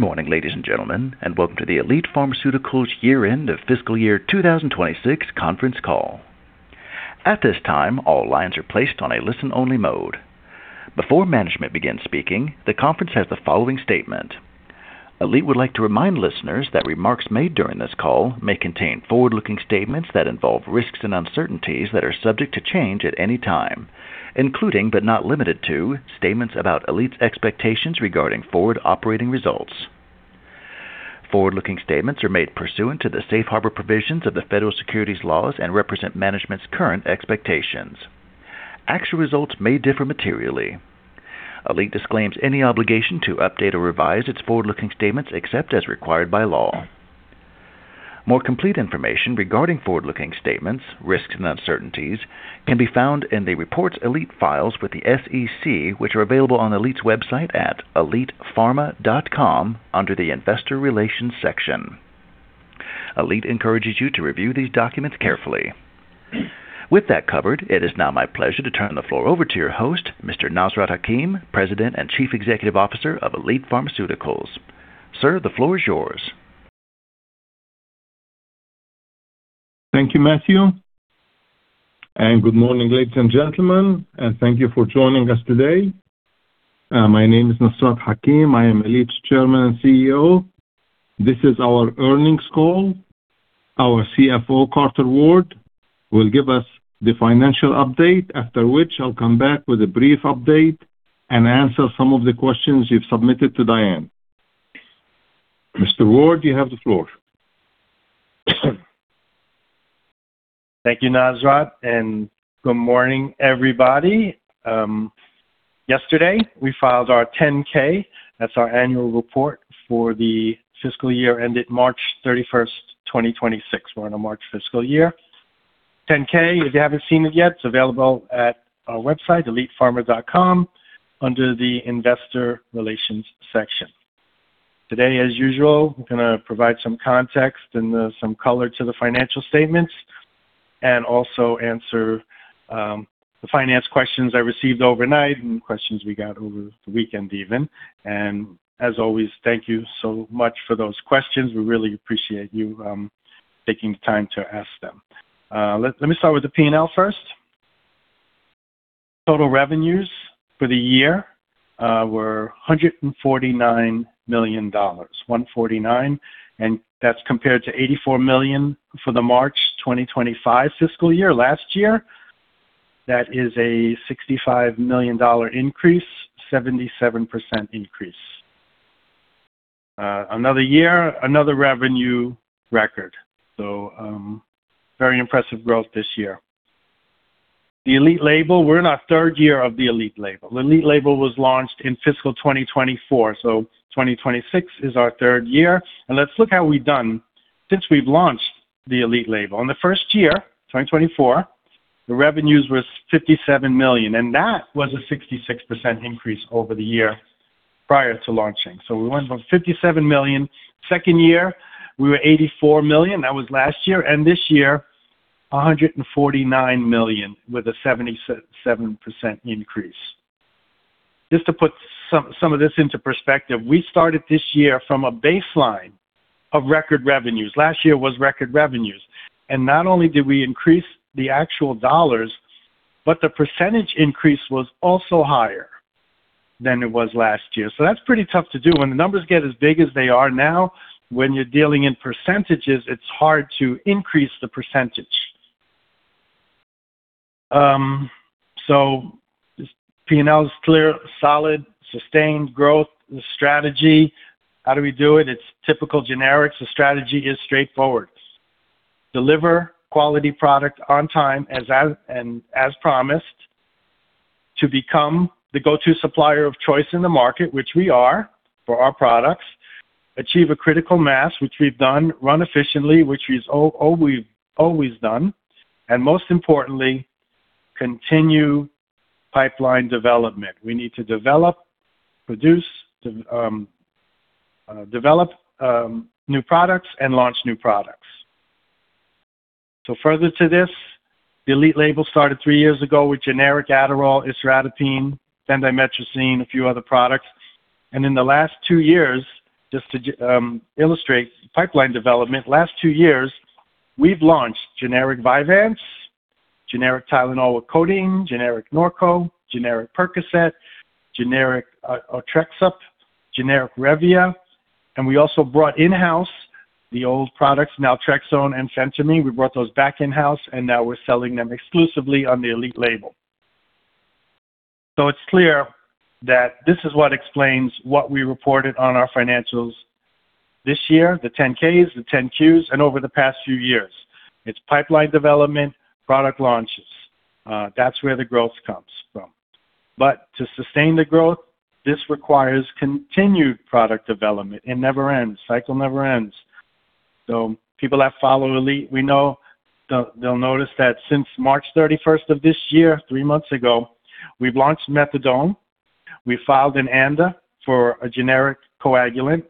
Good morning, ladies and gentlemen, and welcome to the Elite Pharmaceuticals year-end of fiscal year 2026 conference call. At this time, all lines are placed on a listen-only mode. Before management begins speaking, the conference has the following statement. Elite would like to remind listeners that remarks made during this call may contain forward-looking statements that involve risks and uncertainties that are subject to change at any time, including, but not limited to, statements about Elite's expectations regarding forward operating results. Forward-looking statements are made pursuant to the safe harbor provisions of the Federal Securities Laws and represent management's current expectations. Actual results may differ materially. Elite disclaims any obligation to update or revise its forward-looking statements except as required by law. More complete information regarding forward-looking statements, risks, and uncertainties can be found in the reports Elite files with the SEC, which are available on Elite's website at elitepharma.com under the investor relations section. Elite encourages you to review these documents carefully. With that covered, it is now my pleasure to turn the floor over to your host, Mr. Nasrat Hakim, President and Chief Executive Officer of Elite Pharmaceuticals. Sir, the floor is yours. Thank you, Matthew. Good morning, ladies and gentlemen. Thank you for joining us today. My name is Nasrat Hakim. I am Elite's Chairman and CEO. This is our earnings call. Our CFO, Carter Ward, will give us the financial update. After which, I'll come back with a brief update and answer some of the questions you've submitted to Dianne. Mr. Ward, you have the floor. Thank you, Nasrat. Good morning, everybody. Yesterday, we filed our 10-K. That's our annual report for the fiscal year ended March 31st, 2026. We're on a March fiscal year. 10-K, if you haven't seen it yet, it's available at our website, elitepharma.com, under the investor relations section. Today, as usual, we're going to provide some context and some color to the financial statements and also answer the finance questions I received overnight and questions we got over the weekend even. As always, thank you so much for those questions. We really appreciate you taking the time to ask them. Let me start with the P&L first. Total revenues for the year were $149 million, $149 million, and that's compared to $84 million for the March 2025 fiscal year, last year. That is a $65 million increase, 77% increase. Another year, another revenue record. Very impressive growth this year. The Elite label, we are in our third year of the Elite label. The Elite label was launched in fiscal 2024. 2026 is our third year. Let's look how we have done since we have launched the Elite label. In the first year, 2024, the revenues were $57 million, and that was a 66% increase over the year prior to launching. We went from $57 million. Second year, we were $84 million. That was last year. This year, $149 million with a 77% increase. Just to put some of this into perspective, we started this year from a baseline of record revenues. Last year was record revenues. Not only did we increase the actual dollars, but the percentage increase was also higher than it was last year. That is pretty tough to do. When the numbers get as big as they are now, when you are dealing in percentages, it is hard to increase the percentage. P&L is clear, solid, sustained growth. The strategy, how do we do it? It is typical generics. The strategy is straightforward. Deliver quality product on time and as promised to become the go-to supplier of choice in the market, which we are for our products. Achieve a critical mass, which we have done. Run efficiently, which we have always done, and most importantly, continue pipeline development. We need to develop new products and launch new products. Further to this, the Elite label started three years ago with generic Adderall, isotretinoin, bendamustine, a few other products. In the last two years, just to illustrate pipeline development, last two years, we have launched generic VYVANSE, generic Tylenol with Codeine, generic Norco, generic Percocet, generic TREXIMET, generic ReVia, and we also brought in-house the old products, naltrexone and phentermine. We brought those back in-house, and now we are selling them exclusively on the Elite label. It is clear that this is what explains what we reported on our financials this year, the 10-Ks, the 10-Qs, and over the past few years. It is pipeline development, product launches. That is where the growth comes from. To sustain the growth, this requires continued product development. It never ends. Cycle never ends. People that follow Elite, we know they will notice that since March 31st of this year, three months ago, we have launched methadone. We filed an ANDA for a generic anticoagulant.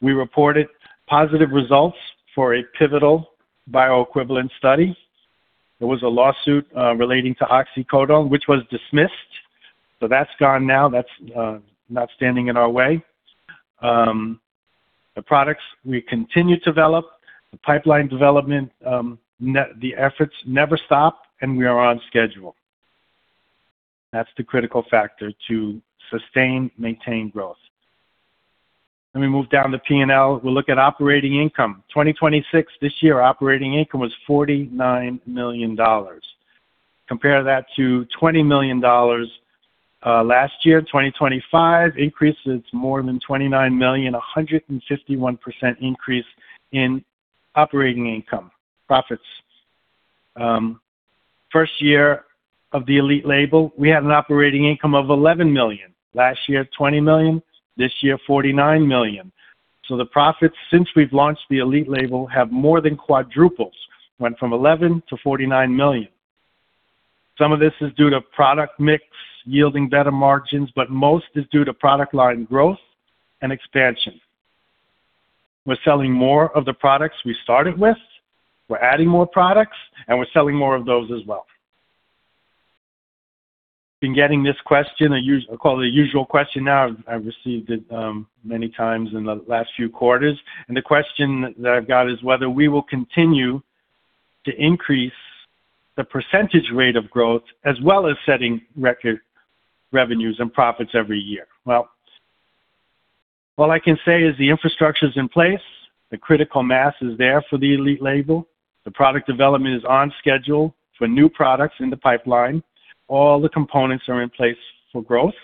We reported positive results for a pivotal bioequivalence study. There was a lawsuit relating to oxycodone, which was dismissed. That is gone now. That is not standing in our way. The products we continue to develop, the pipeline development, the efforts never stop, and we are on schedule. That is the critical factor to sustain, maintain growth. Let me move down to P&L. We will look at operating income. 2026, this year, operating income was $49 million. Compare that to $20 million last year, 2025, increase is more than $29 million, 151% increase in operating income, profits. First year of the Elite label, we had an operating income of $11 million. Last year, $20 million. This year, $49 million. The profits since we have launched the Elite label have more than quadrupled. Went from $11 million to $49 million. Some of this is due to product mix yielding better margins, but most is due to product line growth and expansion. We're selling more of the products we started with, we're adding more products, and we're selling more of those as well. Been getting this question, I call it the usual question now. I've received it many times in the last few quarters. The question that I've got is whether we will continue to increase the percentage rate of growth as well as setting record revenues and profits every year. All I can say is the infrastructure's in place, the critical mass is there for the Elite label. The product development is on schedule for new products in the pipeline. All the components are in place for growth.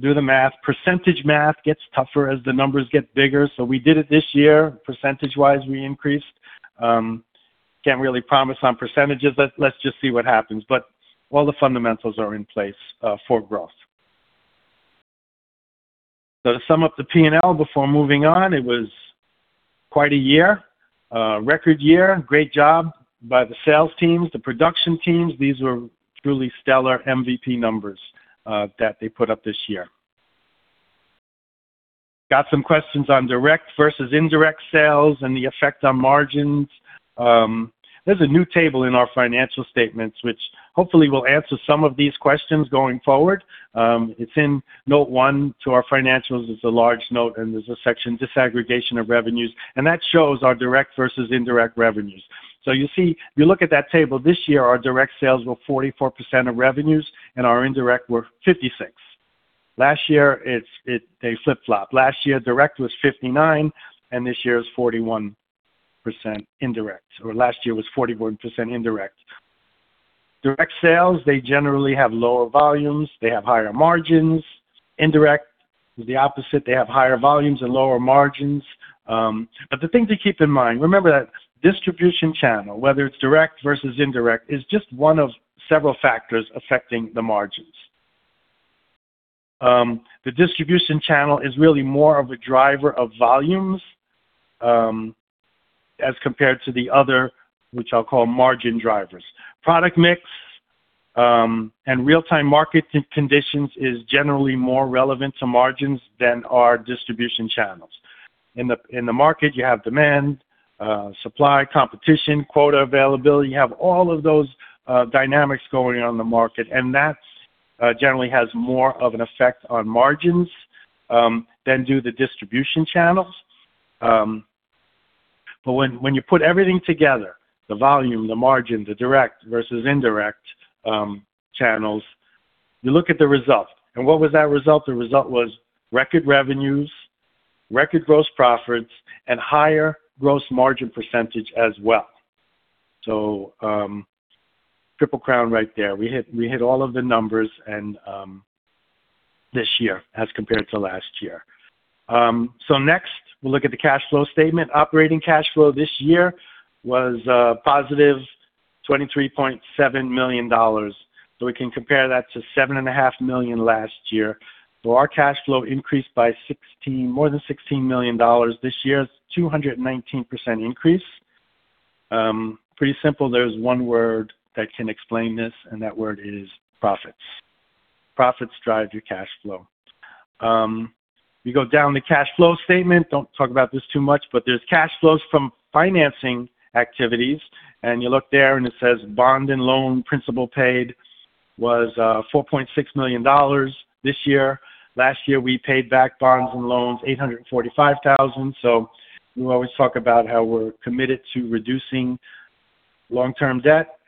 Do the math. Percentage math gets tougher as the numbers get bigger. We did it this year, percentage-wise, we increased. Can't really promise on percentages. Let's just see what happens. All the fundamentals are in place for growth. To sum up the P&L before moving on, it was quite a year. A record year. Great job by the sales teams, the production teams. These were truly stellar MVP numbers that they put up this year. Got some questions on direct versus indirect sales and the effect on margins. There's a new table in our financial statements which hopefully will answer some of these questions going forward. It's in note one to our financials. It's a large note, there's a section, Disaggregation of Revenues, that shows our direct versus indirect revenues. You see, you look at that table this year, our direct sales were 44% of revenues our indirect were 56%. Last year, they flip-flopped. Last year, direct was 59%, this year is 41% indirect. Last year was 41% indirect. Direct sales, they generally have lower volumes. They have higher margins. Indirect is the opposite. They have higher volumes and lower margins. The thing to keep in mind, remember that distribution channel, whether it's direct versus indirect, is just one of several factors affecting the margins. The distribution channel is really more of a driver of volumes, as compared to the other, which I'll call margin drivers. Product mix, real-time market conditions is generally more relevant to margins than our distribution channels. In the market, you have demand, supply, competition, quota availability. You have all of those dynamics going on in the market, that generally has more of an effect on margins than do the distribution channels. When you put everything together, the volume, the margin, the direct versus indirect channels, you look at the result. What was that result? The result was record revenues, record gross profits, higher gross margin percentage as well. Triple Crown right there. We hit all of the numbers this year as compared to last year. Next, we'll look at the cash flow statement. Operating cash flow this year was +$23.7 million. We can compare that to $7.5 million last year. Our cash flow increased by more than $16 million this year, 219% increase. Pretty simple. There's one word that can explain this, that word is profits. Profits drive your cash flow. You go down the cash flow statement, don't talk about this too much, there's cash flows from financing activities. You look there, it says bond loan principal paid was $4.6 million this year. Last year, we paid back bonds loans, $845,000. We always talk about how we're committed to reducing long-term debt,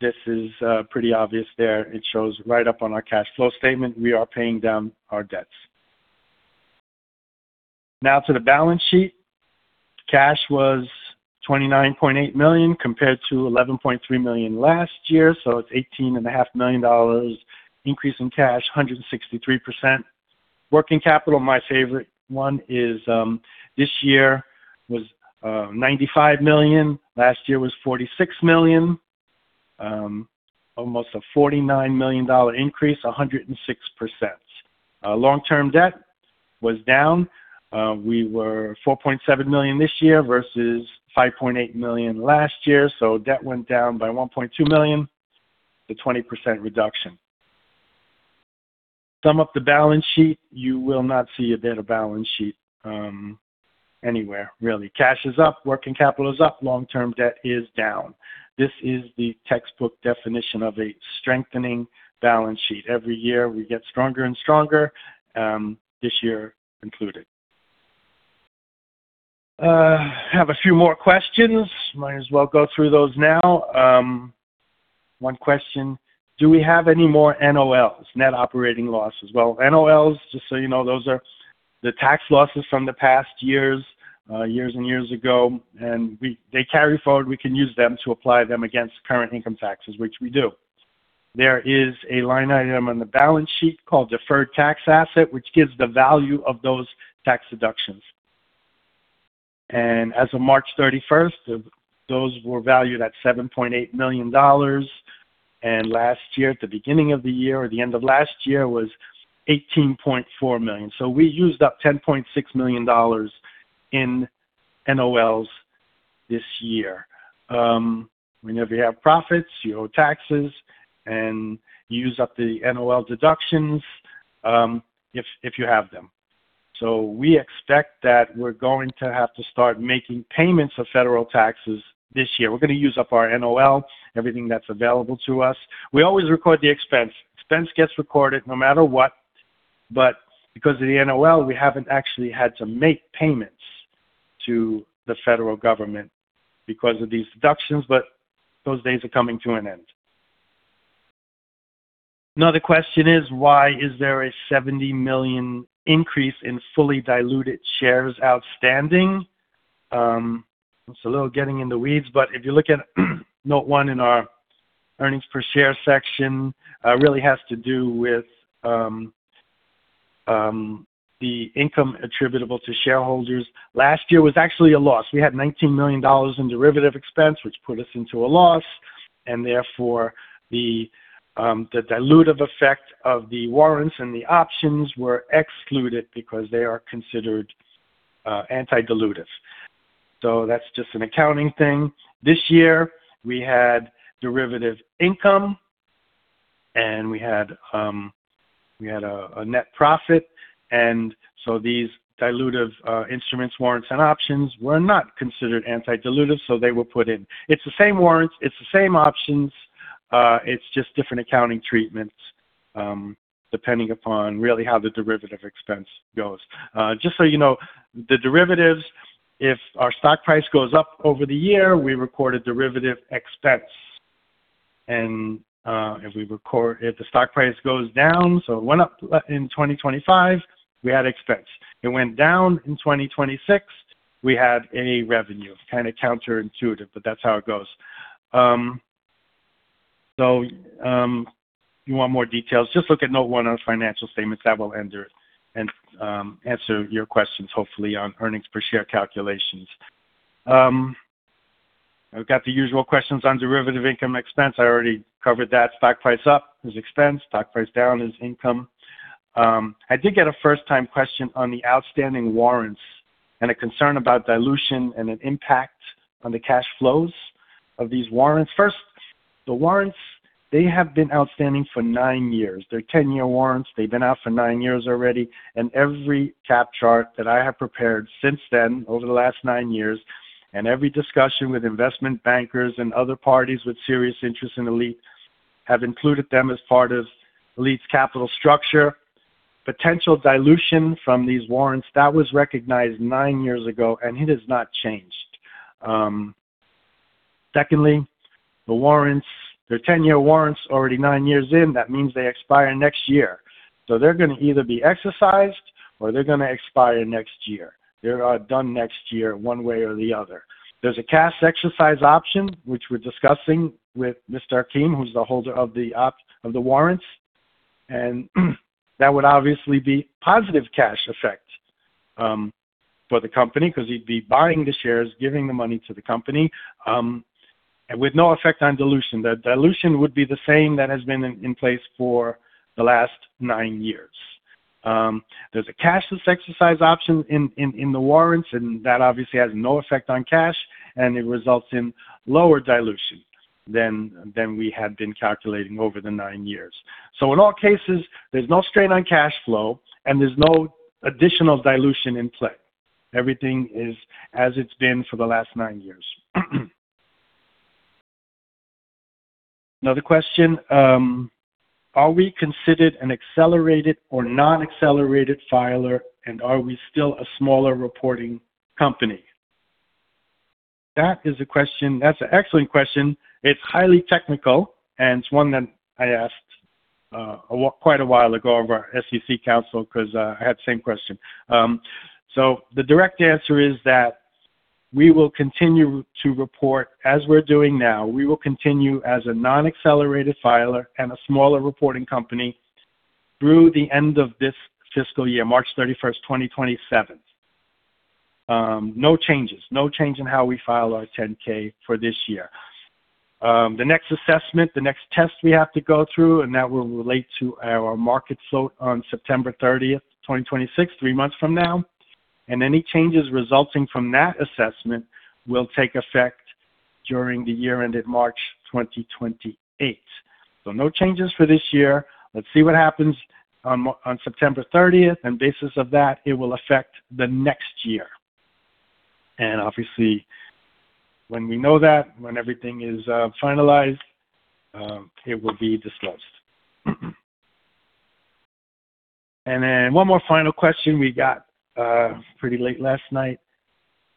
this is pretty obvious there. It shows right up on our cash flow statement. We are paying down our debts. Now to the balance sheet. Cash was $29.8 million compared to $11.3 million last year, so it's $18.5 million increase in cash, 163%. Working capital, my favorite one, is this year was $95 million. Last year was $46 million. Almost a $49 million increase, 106%. Long-term debt was down. We were $4.7 million this year versus $5.8 million last year, so debt went down by $1.2 million, a 20% reduction. Sum up the balance sheet, you will not see a better balance sheet anywhere, really. Cash is up, working capital is up, long-term debt is down. This is the textbook definition of a strengthening balance sheet. Every year we get stronger and stronger, this year included. Have a few more questions. Might as well go through those now. One question, do we have any more NOLs, net operating losses? Well, NOLs, just so you know, those are the tax losses from the past years and years ago, and they carry forward. We can use them to apply them against current income taxes, which we do. There is a line item on the balance sheet called deferred tax asset, which gives the value of those tax deductions. As of March 31st, those were valued at $7.8 million, and last year at the beginning of the year or the end of last year was $18.4 million. We used up $10.6 million in NOLs this year. Whenever you have profits, you owe taxes, and you use up the NOL deductions, if you have them. We expect that we're going to have to start making payments of federal taxes this year. We're going to use up our NOL, everything that's available to us. We always record the expense. Expense gets recorded no matter what, because of the NOL, we haven't actually had to make payments to the federal government because of these deductions, but those days are coming to an end. Another question is why is there a 70 million increase in fully diluted shares outstanding? It's a little getting in the weeds, if you look at note one in our earnings per share section, really has to do with the income attributable to shareholders. Last year was actually a loss. We had $19 million in derivative expense, which put us into a loss, therefore the dilutive effect of the warrants and the options were excluded because they are considered anti-dilutive. That's just an accounting thing. This year we had derivative income, we had a net profit, these dilutive instruments, warrants, and options were not considered anti-dilutive, they were put in. It's the same warrants, it's the same options, it's just different accounting treatments, depending upon really how the derivative expense goes. Just so you know, the derivatives, if our stock price goes up over the year, we record a derivative expense. If the stock price goes down, it went up in 2025, we had expense. It went down in 2026, we had a revenue. Kind of counterintuitive, that's how it goes. If you want more details, just look at note one on financial statements. That will answer your questions hopefully on earnings per share calculations. I've got the usual questions on derivative income expense. I already covered that. Stock price up is expense, stock price down is income. I did get a first-time question on the outstanding warrants and a concern about dilution and an impact on the cash flows of these warrants. First, the warrants, they have been outstanding for nine years. They're 10-year warrants. They've been out for nine years already, and every cap table that I have prepared since then, over the last nine years, and every discussion with investment bankers and other parties with serious interest in Elite have included them as part of Elite's capital structure. Potential dilution from these warrants, that was recognized nine years ago, and it has not changed. Secondly, the warrants. They're 10-year warrants, already nine years in. That means they expire next year. They're going to either be exercised or they're going to expire next year. They are done next year one way or the other. There's a cash exercise option, which we're discussing with Mr. Hakim, who's the holder of the warrants, and that would obviously be positive cash effect for the company because he'd be buying the shares, giving the money to the company, and with no effect on dilution. The dilution would be the same that has been in place for the last nine years. There's a cashless exercise option in the warrants, and that obviously has no effect on cash, and it results in lower dilution than we had been calculating over the nine years. In all cases, there's no strain on cash flow and there's no additional dilution in play. Everything is as it's been for the last nine years. Another question, are we considered an accelerated or non-accelerated filer and are we still a smaller reporting company? That's an excellent question. It's highly technical and it's one that I asked quite a while ago of our SEC counsel because I had the same question. The direct answer is that we will continue to report as we're doing now. We will continue as a non-accelerated filer and a smaller reporting company through the end of this fiscal year, March 31st, 2027. No changes. No change in how we file our 10-K for this year. The next assessment, the next test we have to go through, that will relate to our market slope on September 30th, 2026, three months from now. Any changes resulting from that assessment will take effect during the year ended March 2028. No changes for this year. Let's see what happens on September 30th. Basis of that, it will affect the next year. Obviously, when we know that, when everything is finalized, it will be disclosed. One more final question we got pretty late last night.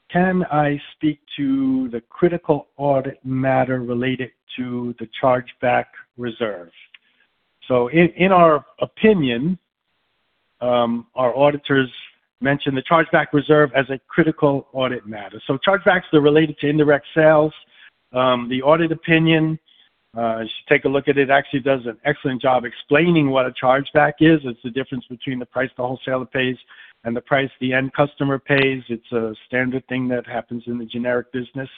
"Can I speak to the critical audit matter related to the chargeback reserve?" In our opinion, our auditors mention the chargeback reserve as a critical audit matter. Chargebacks are related to indirect sales. The audit opinion, you should take a look at it, actually does an excellent job explaining what a chargeback is. It's the difference between the price the wholesaler pays and the price the end customer pays. It's a standard thing that happens in the generic business.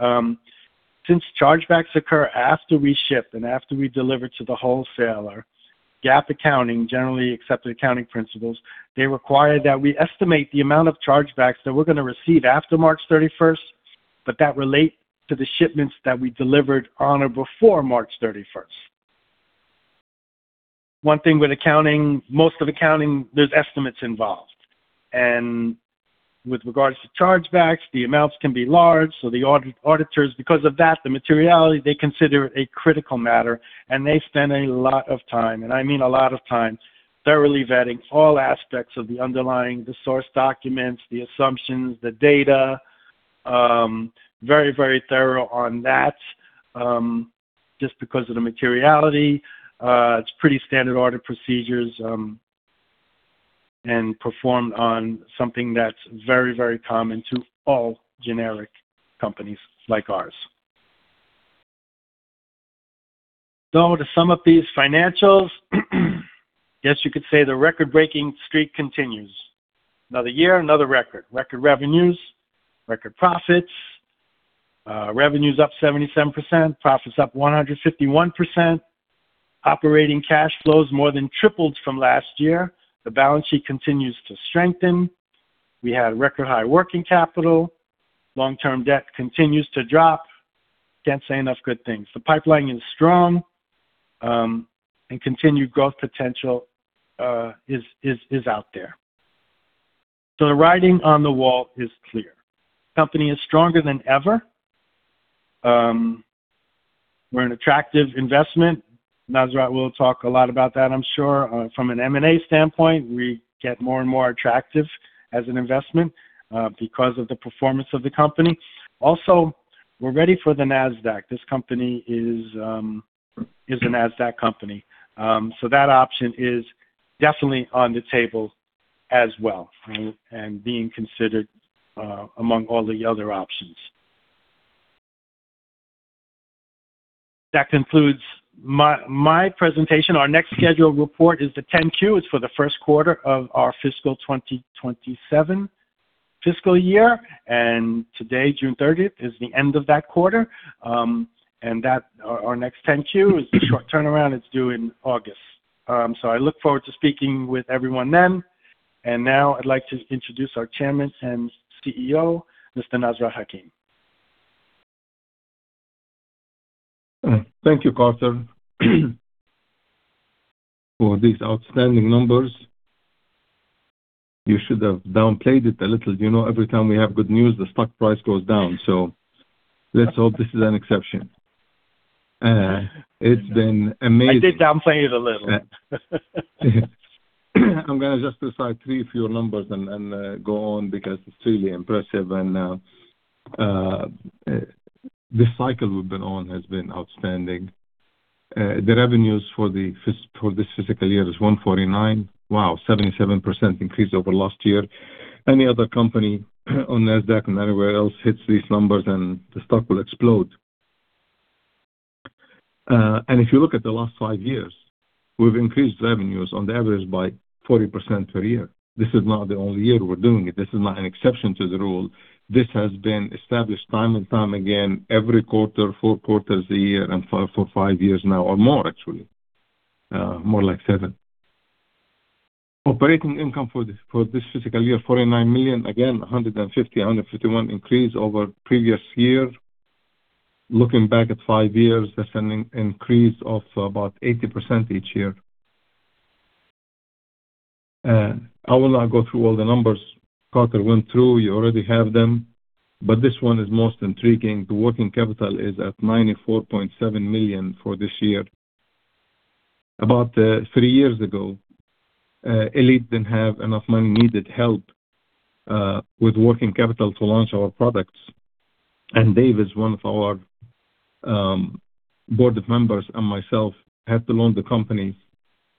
Since chargebacks occur after we ship and after we deliver to the wholesaler, GAAP accounting, generally accepted accounting principles, require that we estimate the amount of chargebacks that we're going to receive after March 31st, but that relate to the shipments that we delivered on or before March 31st. One thing with accounting, most of accounting, there's estimates involved. With regards to chargebacks, the amounts can be large. The auditors, because of that, the materiality, consider a critical matter, and they spend a lot of time, I mean a lot of time, thoroughly vetting all aspects of the underlying, the source documents, the assumptions, the data. Very, very thorough on that, just because of the materiality. It's pretty standard audit procedures, and performed on something that's very, very common to all generic companies like ours. To sum up these financials, yes, you could say the record-breaking streak continues. Another year, another record. Record revenues, record profits. Revenue's up 77%, profits up 151%. Operating cash flow is more than tripled from last year. The balance sheet continues to strengthen. We had record high working capital. Long-term debt continues to drop. Can't say enough good things. The pipeline is strong, and continued growth potential is out there. The writing on the wall is clear. Company is stronger than ever. We're an attractive investment. Nasrat will talk a lot about that, I'm sure. From an M&A standpoint, we get more and more attractive as an investment because of the performance of the company. Also, we're ready for the Nasdaq. This company is a Nasdaq company. That option is definitely on the table as well and being considered among all the other options. That concludes my presentation. Our next scheduled report is the 10-Q. It's for the first quarter of our fiscal 2027 fiscal year. Today, June 30th, is the end of that quarter. Our next 10-Q is a short turnaround. It's due in August. I look forward to speaking with everyone then. Now I'd like to introduce our chairman and CEO, Mr. Nasrat Hakim. Thank you, Carter, for these outstanding numbers. You should have downplayed it a little. You know every time we have good news, the stock price goes down. Let's hope this is an exception. It's been amazing. I did downplay it a little. I'm going to just recite three of your numbers and then go on because it's really impressive and the cycle we've been on has been outstanding. The revenues for this fiscal year is $149 million. Wow, 77% increase over last year. Any other company on Nasdaq and anywhere else hits these numbers and the stock will explode. If you look at the last five years, we've increased revenues on the average by 40% per year. This is not the only year we're doing it. This is not an exception to the rule. This has been established time and time again every quarter, four quarters a year, and for five years now or more actually. More like seven. Operating income for this fiscal year, $49 million. Again, 150%-151% increase over previous year. Looking back at five years, that's an increase of about 80% each year. I will not go through all the numbers Carter went through. You already have them. This one is most intriguing. The working capital is at $94.7 million for this year. About three years ago, Elite didn't have enough money, needed help with working capital to launch our products. Dave is one of our board members, and myself had to loan the company,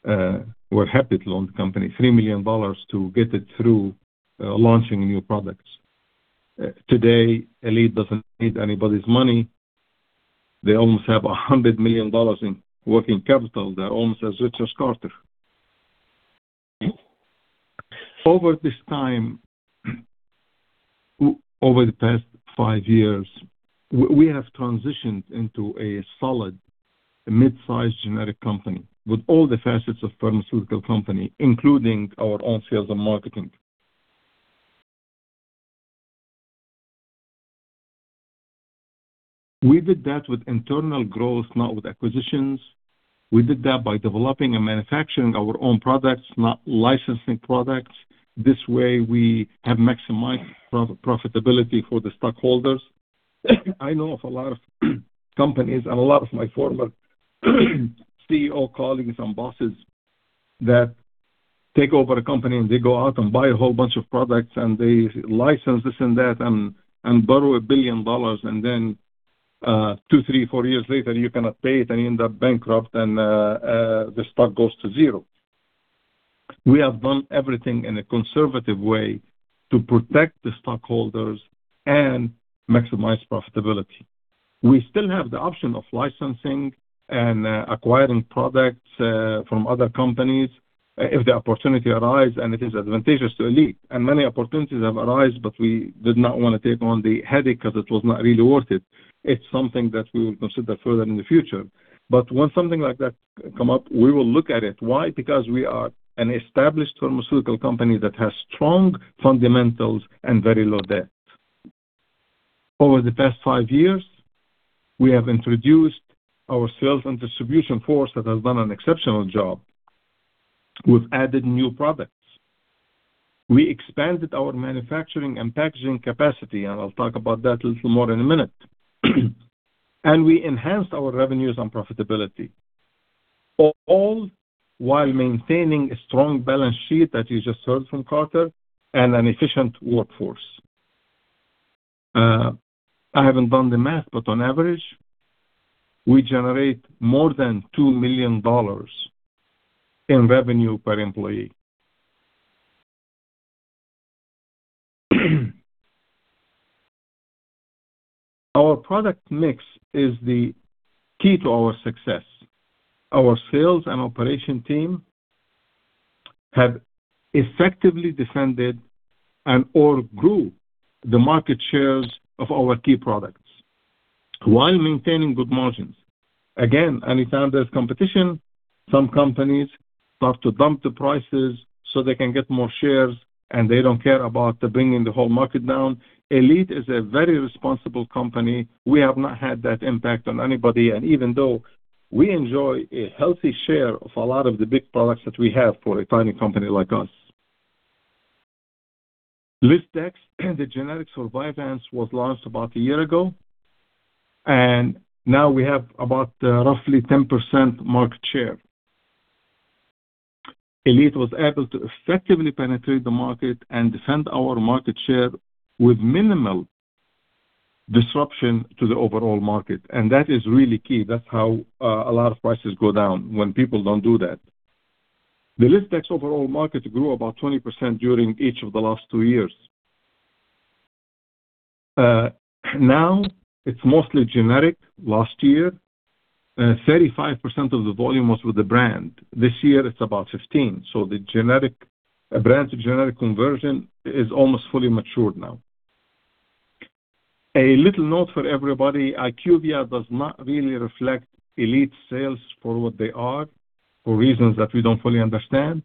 well, happy to loan the company $3 million to get it through launching new products. Today, Elite doesn't need anybody's money. They almost have $100 million in working capital. They're almost as rich as Carter. Over this time, over the past five years, we have transitioned into a solid mid-size generic company with all the facets of pharmaceutical company, including our own sales and marketing. We did that with internal growth, not with acquisitions. We did that by developing and manufacturing our own products, not licensing products. This way, we have maximized profitability for the stockholders. I know of a lot of companies and a lot of my former CEO colleagues and bosses that take over a company, and they go out and buy a whole bunch of products, and they license this and that, and borrow $1 billion. Then two, three, four years later, you cannot pay it, and you end up bankrupt, and the stock goes to zero. We have done everything in a conservative way to protect the stockholders and maximize profitability. We still have the option of licensing and acquiring products from other companies if the opportunity arise and it is advantageous to Elite. Many opportunities have arise, but we did not want to take on the headache because it was not really worth it. It's something that we will consider further in the future. When something like that come up, we will look at it. Why? Because we are an established pharmaceutical company that has strong fundamentals and very low debt. Over the past 5 years, we have introduced our sales and distribution force that has done an exceptional job. We've added new products. We expanded our manufacturing and packaging capacity, and I'll talk about that a little more in a minute. We enhanced our revenues and profitability, all while maintaining a strong balance sheet that you just heard from Carter and an efficient workforce. I haven't done the math, but on average, we generate more than $2 million in revenue per employee. Our product mix is the key to our success. Our sales and operation team have effectively defended and/or grew the market shares of our key products while maintaining good margins. Anytime there's competition, some companies start to dump the prices so they can get more shares, and they don't care about bringing the whole market down. Elite is a very responsible company. We have not had that impact on anybody. Even though we enjoy a healthy share of a lot of the big products that we have for a tiny company like us. Lisdex, the generic for VYVANSE, was launched about a year ago, and now we have about roughly 10% market share. Elite was able to effectively penetrate the market and defend our market share with minimal disruption to the overall market, and that is really key. That's how a lot of prices go down, when people don't do that. The Lisdex overall market grew about 20% during each of the last two years. Now it's mostly generic. Last year, 35% of the volume was with the brand. This year it's about 15%. The brand to generic conversion is almost fully matured now. A little note for everybody. IQVIA does not really reflect Elite sales for what they are for reasons that we don't fully understand.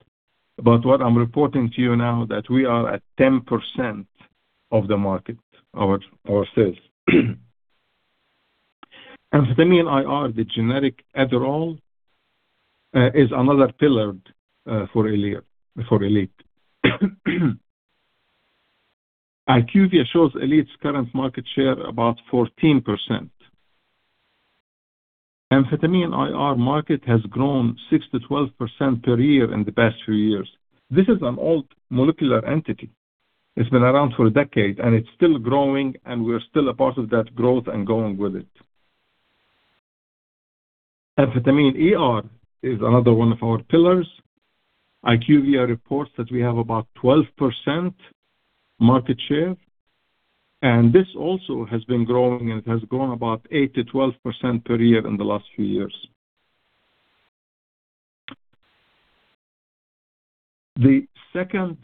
What I'm reporting to you now that we are at 10% of the market, our sales. Amphetamine IR, the generic Adderall, is another pillar for Elite. IQVIA shows Elite's current market share about 14%. Amphetamine IR market has grown 6%-12% per year in the past few years. This is an old molecular entity. It's been around for a decade, and it's still growing, and we're still a part of that growth and going with it. Amphetamine ER is another one of our pillars. IQVIA reports that we have about 12% market share, and this also has been growing, and it has grown about 8%-12% per year in the last few years. The second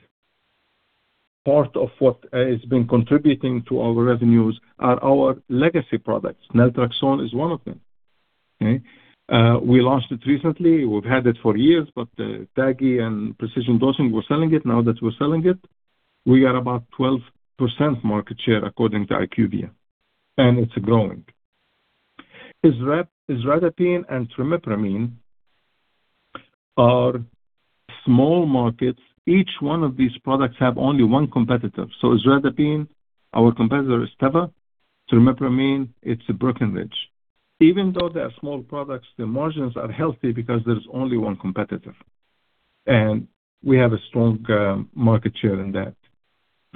part of what has been contributing to our revenues are our legacy products. naltrexone is one of them. We launched it recently. We've had it for years, but TAGI and Precision Dose were selling it. Now that we're selling it, we are about 12% market share according to IQVIA, and it's growing. Isradipine and trimipramine are small markets. Each one of these products have only one competitor. Isradipine, our competitor is Teva. trimipramine, it's Breckenridge. Even though they are small products, the margins are healthy because there's only one competitor, and we have a strong market share in that.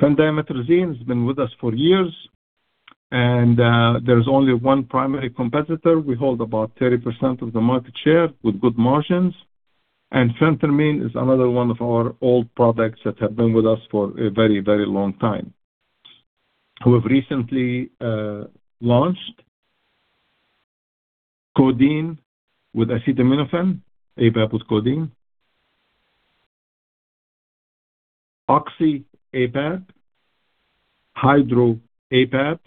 Phentermine has been with us for years, and there's only one primary competitor. We hold about 30% of the market share with good margins. Phentermine is another one of our old products that have been with us for a very, very long time. We have recently launched codeine with acetaminophen, APAP with codeine, Oxy/APAP, hydrocodone/APAP,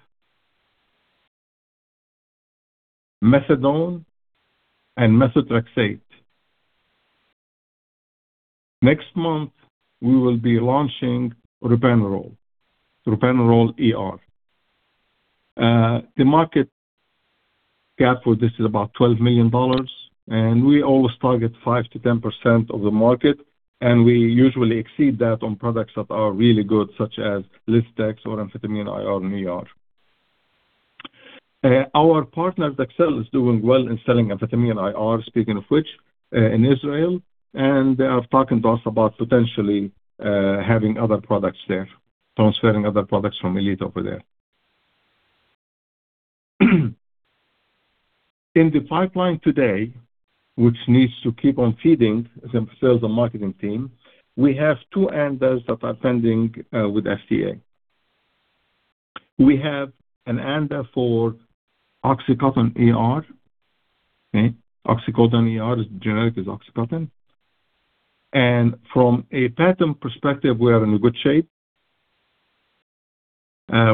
methadone and methotrexate. Next month, we will be launching Ropinirole ER. The market cap for this is about $12 million. We always target 5%-10% of the market, and we usually exceed that on products that are really good, such as Lisdex or Amphetamine IR and IR. Our partner, Dexcel, is doing well in selling Amphetamine IR, speaking of which, in Israel. They are talking to us about potentially having other products there, transferring other products from Elite over there. In the pipeline today, which needs to keep on feeding the sales and marketing team, we have two ANDAs that are pending with FDA. We have an ANDA for OxyContin ER. Okay? oxycodone ER's generic is OxyContin. From a patent perspective, we are in good shape.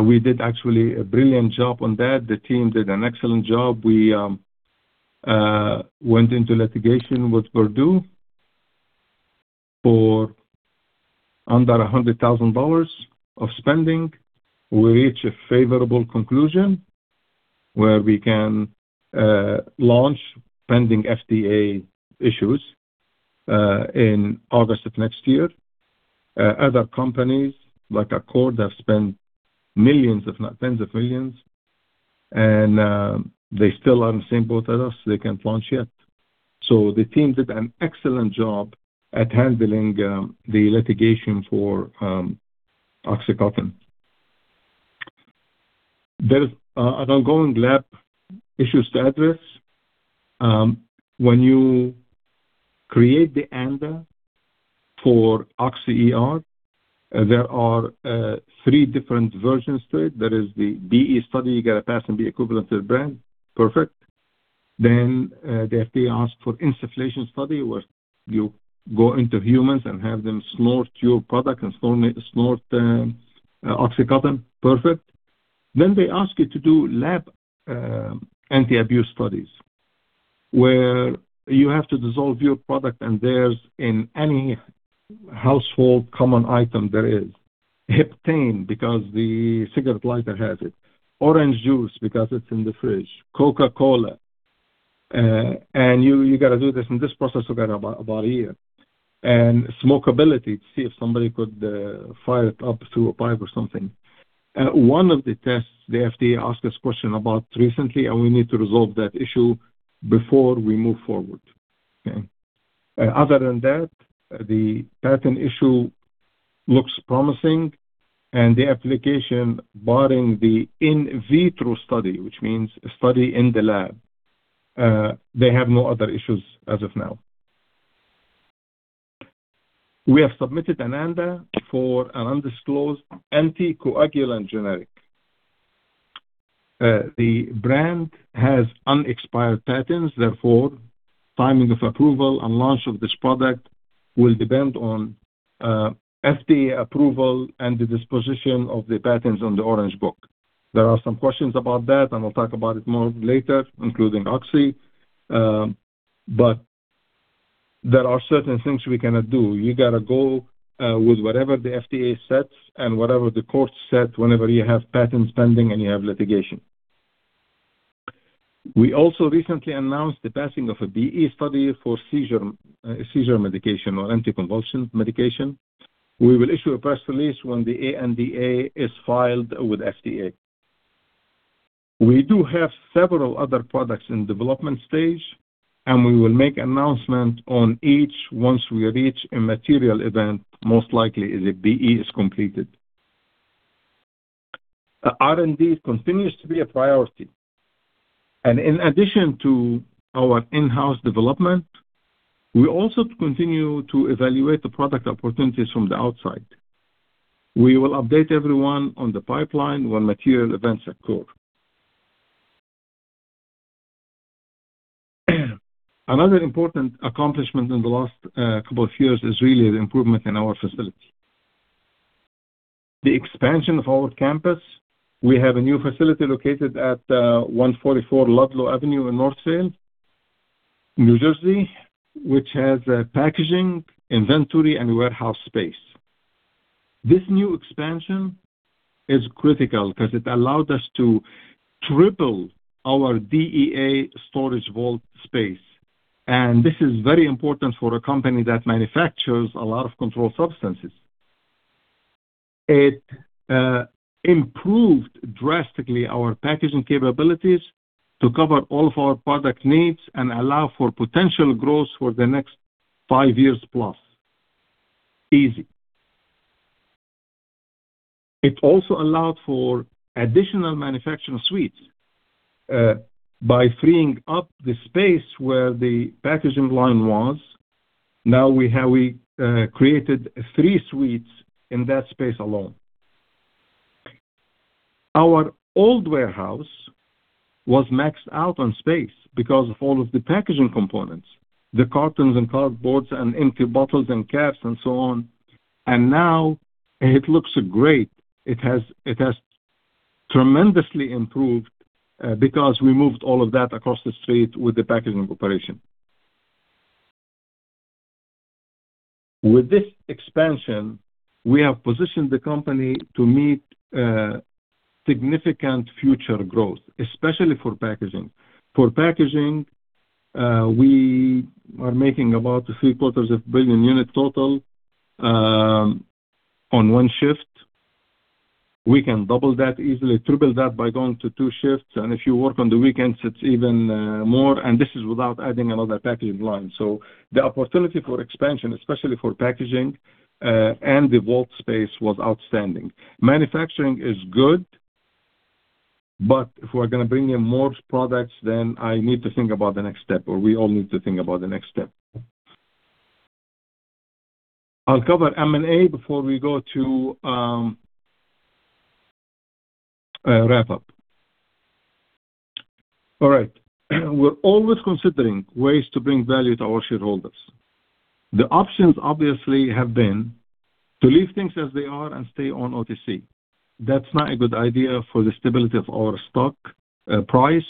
We did actually a brilliant job on that. The team did an excellent job. We went into litigation with Purdue for under $100,000 of spending. We reached a favorable conclusion where we can launch pending FDA issues in August of next year. Other companies like Accord have spent millions, if not tens of millions, and they still are in the same boat as us. They can't launch yet. So the team did an excellent job at handling the litigation for OxyContin. There is an ongoing lab issue to address. When you create the ANDA for oxycodone ER, there are three different versions to it. There is the BE study, you got to pass and be equivalent to the brand. Perfect. The FDA asked for insufflation study, where you go into humans and have them snort your product and snort OxyContin. Perfect. They ask you to do lab anti-abuse studies, where you have to dissolve your product and theirs in any household common item there is. Heptane, because the cigarette lighter has it. Orange juice, because it's in the fridge. Coca-Cola. You got to do this, and this process took about a year. Smokeability, to see if somebody could fire it up through a pipe or something. One of the tests the FDA asked this question about recently, and we need to resolve that issue before we move forward. Okay? Other than that, the patent issue looks promising, and the application barring the in vitro study, which means a study in the lab, they have no other issues as of now. We have submitted an ANDA for an undisclosed anticoagulant generic. The brand has unexpired patents. Therefore, timing of approval and launch of this product will depend on FDA approval and the disposition of the patents on the Orange Book. There are some questions about that, and I'll talk about it more later, including Oxy. There are certain things we cannot do. You got to go with whatever the FDA sets and whatever the courts set whenever you have patents pending and you have litigation. We also recently announced the passing of a BE study for seizure medication or anticonvulsion medication. We will issue a press release when the ANDA is filed with FDA. We do have several other products in development stage, and we will make announcement on each once we reach a material event, most likely if a BE is completed. R&D continues to be a priority. In addition to our in-house development, we also continue to evaluate the product opportunities from the outside. We will update everyone on the pipeline when material events occur. Another important accomplishment in the last couple of years is really the improvement in our facility. The expansion of our campus. We have a new facility located at 144 Ludlow Avenue in Northvale, New Jersey, which has a packaging, inventory, and warehouse space. This new expansion is critical because it allowed us to triple our DEA storage vault space. This is very important for a company that manufactures a lot of controlled substances. It improved drastically our packaging capabilities to cover all of our product needs and allow for potential growth for the next 5+ years. Easy. It also allowed for additional manufacturing suites. By freeing up the space where the packaging line was, now we created three suites in that space alone. Our old warehouse was maxed out on space because of all of the packaging components, the cartons and cardboards and empty bottles and caps and so on. Now it looks great. It has tremendously improved because we moved all of that across the street with the packaging operation. With this expansion, we have positioned the company to meet significant future growth, especially for packaging. For packaging, we are making about three-quarters of a billion units total on one shift. We can double that easily, triple that by going to two shifts. If you work on the weekends, it's even more, this is without adding another packaging line. The opportunity for expansion, especially for packaging and the vault space, was outstanding. Manufacturing is good, if we're going to bring in more products, I need to think about the next step, or we all need to think about the next step. I'll cover M&A before we go to wrap up. All right. We're always considering ways to bring value to our shareholders. The options obviously have been to leave things as they are and stay on OTC. That's not a good idea for the stability of our stock price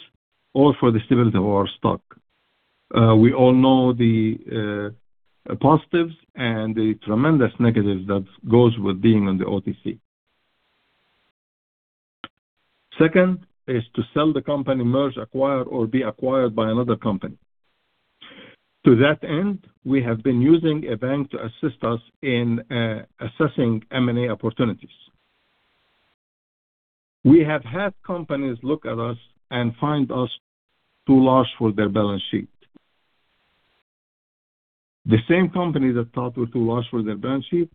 or for the stability of our stock. We all know the positives and the tremendous negatives that goes with being on the OTC. Second is to sell the company, merge, acquire, or be acquired by another company. To that end, we have been using a bank to assist us in assessing M&A opportunities. We have had companies look at us and find us too large for their balance sheet. The same company that thought we're too large for their balance sheet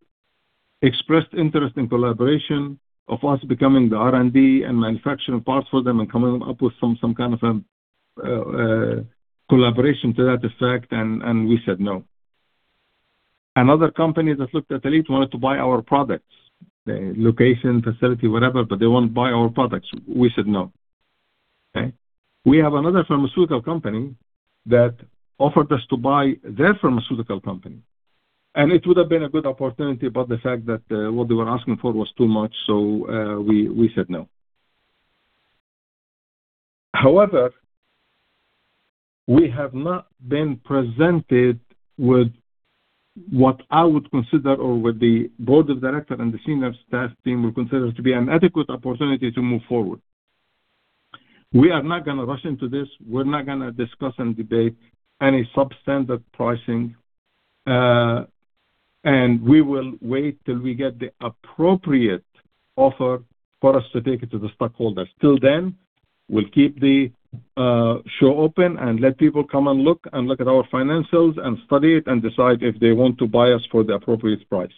expressed interest in collaboration of us becoming the R&D and manufacturing parts for them and coming up with some kind of a collaboration to that effect, we said no. Other companies that looked at Elite wanted to buy our products. Location, facility, whatever, they want to buy our products. We said no. Okay. We have another pharmaceutical company that offered us to buy their pharmaceutical company, it would have been a good opportunity, the fact that what they were asking for was too much, we said no. We have not been presented with what I would consider or what the board of directors and the senior staff team will consider to be an adequate opportunity to move forward. We're not going to rush into this. We're not going to discuss and debate any substandard pricing. We will wait till we get the appropriate offer for us to take it to the stockholders. Till then, we'll keep the show open and let people come and look, and look at our financials and study it and decide if they want to buy us for the appropriate price.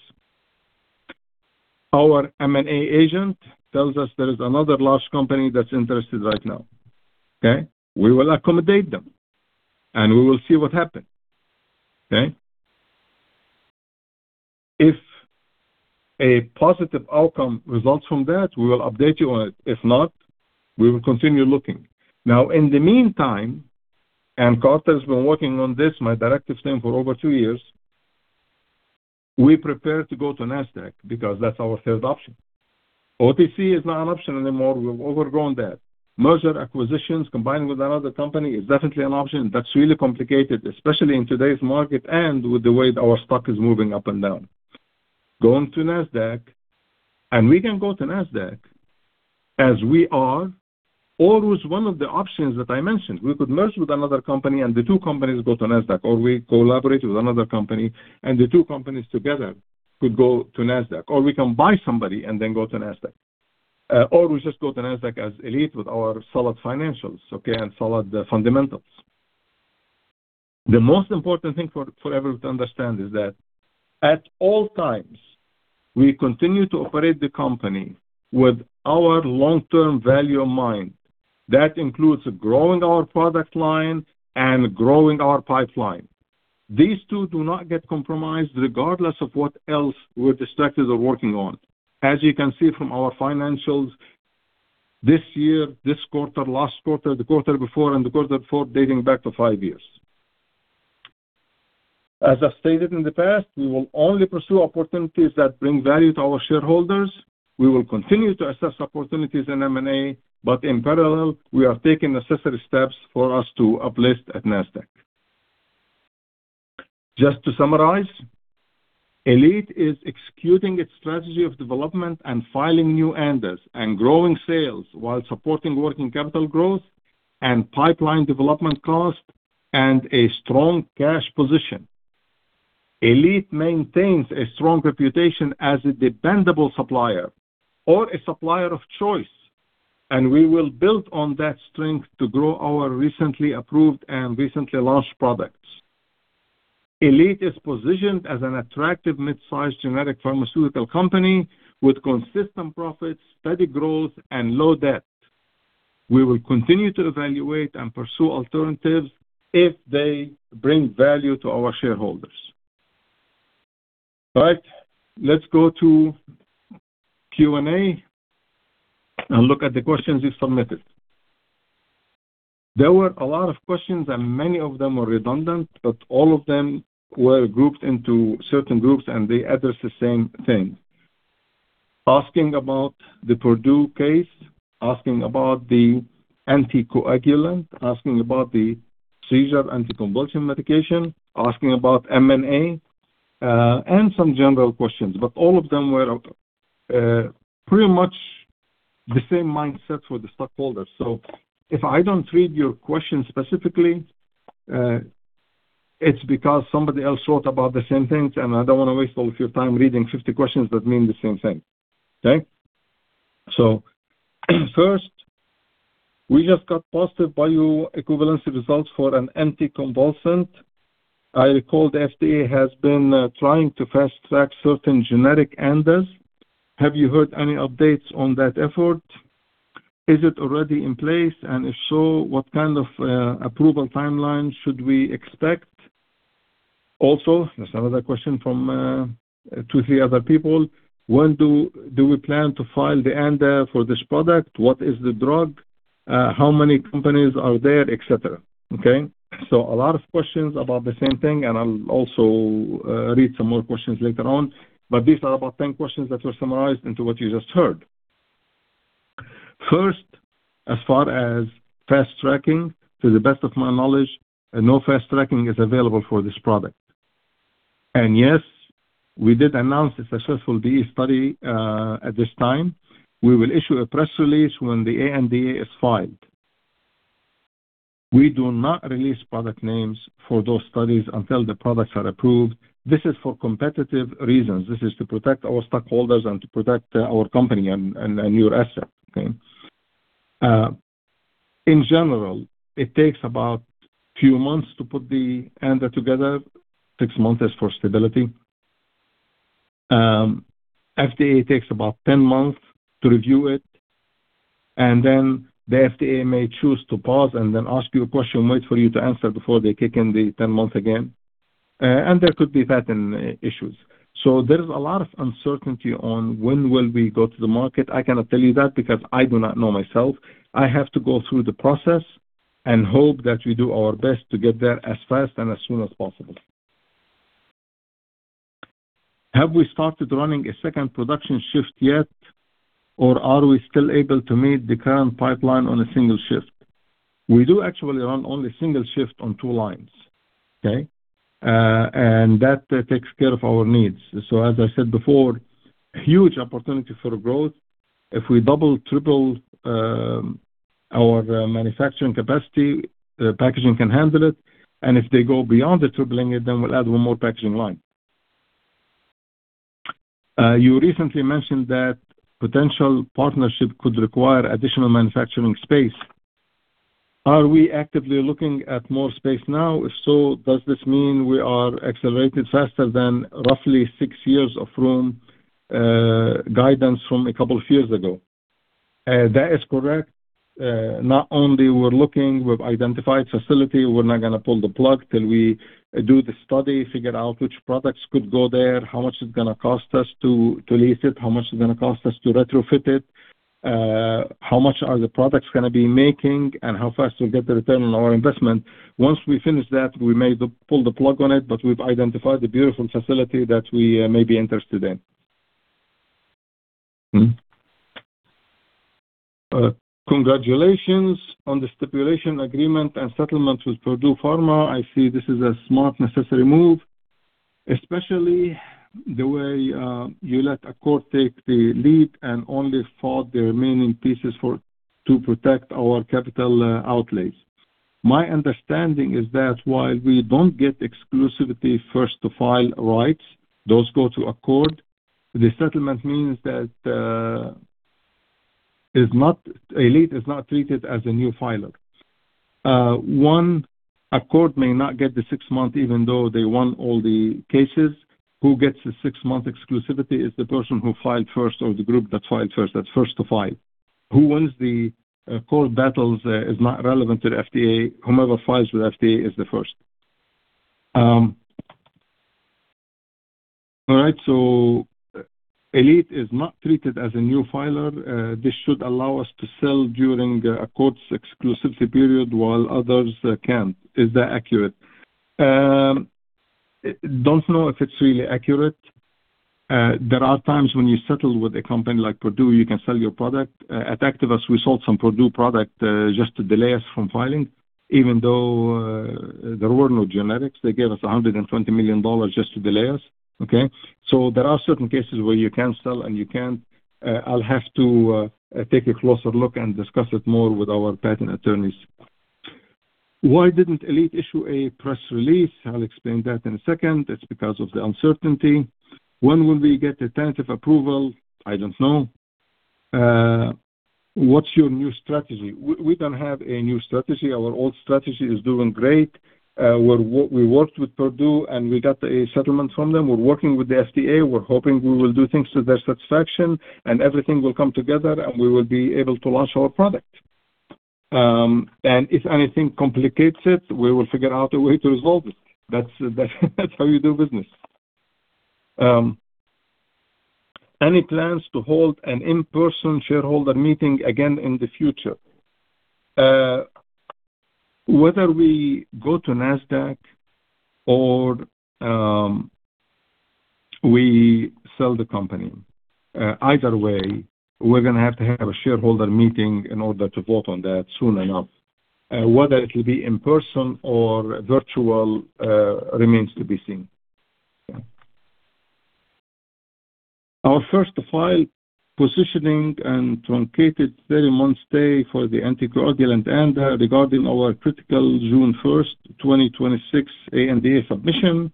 Our M&A agent tells us there is another large company that's interested right now. Okay? We will accommodate them, and we will see what happens. Okay? If a positive outcome results from that, we will update you on it. If not, we will continue looking. In the meantime, Carter's been working on this, my directive team, for over two years. We prepare to go to Nasdaq because that's our third option. OTC is not an option anymore. We've outgrown that. Merger acquisitions combined with another company is definitely an option. That's really complicated, especially in today's market and with the way our stock is moving up and down. Going to Nasdaq, we can go to Nasdaq as we are, or with one of the options that I mentioned. We could merge with another company and the two companies go to Nasdaq, or we collaborate with another company and the two companies together could go to Nasdaq, or we can buy somebody and then go to Nasdaq, or we just go to Nasdaq as Elite with our solid financials, okay, and solid fundamentals. The most important thing for everyone to understand is that at all times, we continue to operate the company with our long-term value in mind. That includes growing our product line and growing our pipeline. These two do not get compromised regardless of what else we're distracted or working on. As you can see from our financials this year, this quarter, last quarter, the quarter before, and the quarter before, dating back to five years. As I stated in the past, we will only pursue opportunities that bring value to our shareholders. We will continue to assess opportunities in M&A, in parallel, we are taking necessary steps for us to uplist at Nasdaq. Just to summarize, Elite is executing its strategy of development and filing new ANDAs and growing sales while supporting working capital growth and pipeline development cost and a strong cash position. Elite maintains a strong reputation as a dependable supplier or a supplier of choice, we will build on that strength to grow our recently approved and recently launched products. Elite is positioned as an attractive mid-size generic pharmaceutical company with consistent profits, steady growth, and low debt. We will continue to evaluate and pursue alternatives if they bring value to our shareholders. All right. Let's go to Q&A and look at the questions you submitted. There were a lot of questions, many of them were redundant, all of them were grouped into certain groups, they address the same thing. Asking about the Purdue case, asking about the anticoagulant, asking about the seizure anticonvulsion medication, asking about M&A, and some general questions. All of them were pretty much the same mindset for the stockholders. If I don't read your question specifically, it's because somebody else wrote about the same things, and I don't want to waste all of your time reading 50 questions that mean the same thing. Okay? First, "We just got positive bioequivalence results for an anticonvulsant. I recall the FDA has been trying to fast track certain generic ANDAs. Have you heard any updates on that effort? Is it already in place, and if so, what kind of approval timeline should we expect?" Also, there's another question from two, three other people. "When do we plan to file the ANDA for this product? What is the drug? How many companies are there?" Et cetera. Okay? A lot of questions about the same thing, and I'll also read some more questions later on, but these are about 10 questions that were summarized into what you just heard. First, as far as fast tracking, to the best of my knowledge, no fast tracking is available for this product. Yes, we did announce a successful BE study at this time. We will issue a press release when the ANDA is filed. We do not release product names for those studies until the products are approved. This is for competitive reasons. This is to protect our stockholders and to protect our company and your asset. Okay? In general, it takes about few months to put the ANDA together. Six months is for stability. FDA takes about 10 months to review it, and then the FDA may choose to pause and then ask you a question, wait for you to answer before they kick in the 10 months again. There could be patent issues. There is a lot of uncertainty on when will we go to the market. I cannot tell you that because I do not know myself. I have to go through the process and hope that we do our best to get there as fast and as soon as possible. "Have we started running a second production shift yet, or are we still able to meet the current pipeline on a single shift?" We do actually run only single shift on two lines. Okay? That takes care of our needs. As I said before, huge opportunity for growth. If we double, triple our manufacturing capacity, the packaging can handle it, and if they go beyond the tripling it, then we'll add one more packaging line. "You recently mentioned that potential partnership could require additional manufacturing space. Are we actively looking at more space now? If so, does this mean we are accelerating faster than roughly six years of room guidance from a couple of years ago?" That is correct. Not only we're looking, we've identified facility. We're not going to pull the plug till we do the study, figure out which products could go there, how much it's going to cost us to lease it, how much it's going to cost us to retrofit it, how much are the products going to be making, and how fast we'll get the return on our investment. Once we finish that, we may pull the plug on it, but we've identified the beautiful facility that we may be interested in. Mm-hmm. "Congratulations on the stipulation agreement and settlement with Purdue Pharma. I see this is a smart, necessary move, especially the way you let a court take the lead and only fought the remaining pieces to protect our capital outlays. My understanding is that while we don't get exclusivity first-to-file rights, those go to Accord. The settlement means that Elite is not treated as a new filer. One, Accord may not get the six months, even though they won all the cases. Who gets the six-month exclusivity is the person who filed first or the group that filed first. That's first-to-file. Who wins the court battles is not relevant to the FDA. Whomever files with FDA is the first. Elite is not treated as a new filer. This should allow us to sell during Accord's exclusivity period while others can't. Is that accurate? Don't know if it's really accurate. There are times when you settle with a company like Purdue Pharma, you can sell your product. At Actavis, we sold some Purdue Pharma product just to delay us from filing, even though there were no generics. They gave us $120 million just to delay us. There are certain cases where you can sell and you can't. I'll have to take a closer look and discuss it more with our patent attorneys. Why didn't Elite issue a press release? I'll explain that in a second. It's because of the uncertainty. When will we get tentative approval? I don't know. What's your new strategy? We don't have a new strategy. Our old strategy is doing great. We worked with Purdue, we got a settlement from them. We're working with the FDA. We're hoping we will do things to their satisfaction, everything will come together, we will be able to launch our product. If anything complicates it, we will figure out a way to resolve it. That's how you do business. Any plans to hold an in-person shareholder meeting again in the future? Whether we go to Nasdaq or we sell the company, either way, we're going to have to have a shareholder meeting in order to vote on that soon enough. Whether it will be in person or virtual remains to be seen. Our first-to-file positioning and truncated 30-month stay for the anticoagulant ANDA regarding our critical June 1st, 2026, ANDA submission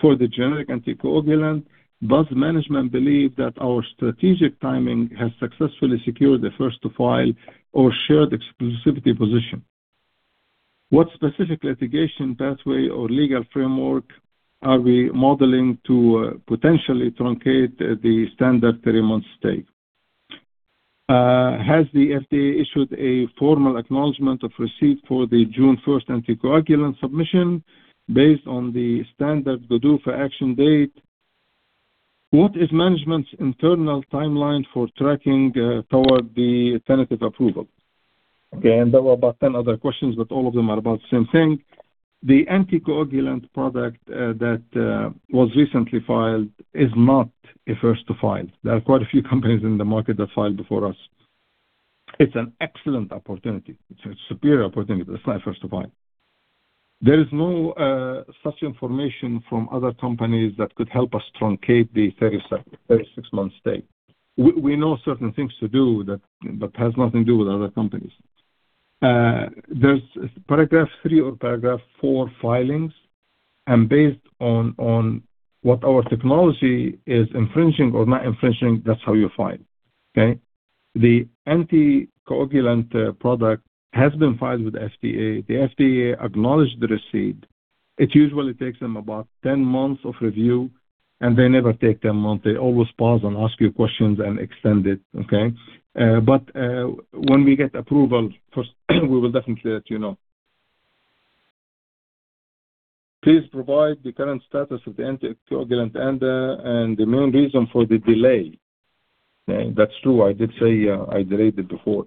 for the generic anticoagulant. Does management believe that our strategic timing has successfully secured the first-to-file or shared exclusivity position? What specific litigation pathway or legal framework are we modeling to potentially truncate the standard 30-month stay? Has the FDA issued a formal acknowledgement of receipt for the June 1st anticoagulant submission based on the standard GDUFA action date? What is management's internal timeline for tracking toward the tentative approval? There were about 10 other questions, but all of them are about the same thing. The anticoagulant product that was recently filed is not a first-to-file. There are quite a few companies in the market that filed before us. It's an excellent opportunity. It's a superior opportunity. It's not first-to-file. There is no such information from other companies that could help us truncate the 36-month stay. We know certain things to do that has nothing to do with other companies. There's Paragraph III or Paragraph IV filings. Based on what our technology is infringing or not infringing, that's how you file. Okay. The generic anticoagulant product has been filed with FDA. The FDA acknowledged the receipt. It usually takes them about 10 months of review. They never take 10 months. They always pause and ask you questions and extend it. Okay. When we get approval first, we will definitely let you know. Please provide the current status of the generic anticoagulant ANDA and the main reason for the delay. Okay. That's true. I did say I delayed it before.